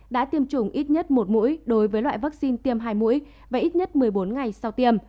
đã tiêm chủng ít nhất một mũi đối với loại vaccine tiêm hai mũi và ít nhất một mươi bốn ngày sau tiêm